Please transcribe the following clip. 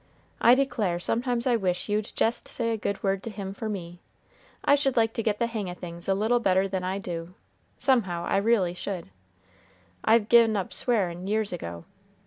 I declare sometimes I wish you'd jest say a good word to Him for me; I should like to get the hang o' things a little better than I do, somehow, I reely should. I've gi'n up swearing years ago.